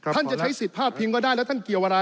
ท่านจะใช้สิทธิภาพพิมพ์ก็ได้แล้วท่านเกี่ยวอะไร